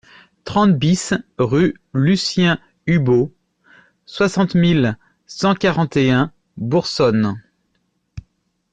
trente BIS rue Lucien Hubaut, soixante mille cent quarante et un Boursonne